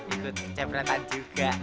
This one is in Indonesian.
ikut kecebratan juga